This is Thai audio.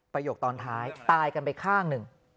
ประโยคตอนท้ายตายกันไปข้างหนึ่ง